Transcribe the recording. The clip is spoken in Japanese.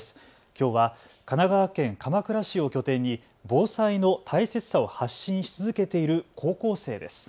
きょうは神奈川県鎌倉市を拠点に防災の大切さを発信し続けている高校生です。